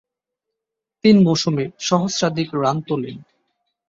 তিন মৌসুমে সহস্রাধিক রান তুলেন।